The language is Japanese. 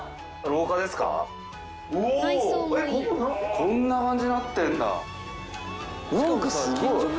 こんな感じなってんだ。